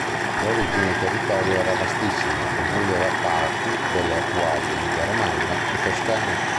In origine il territorio era vastissimo e comprendeva parti delle attuali Emilia-Romagna e Toscana.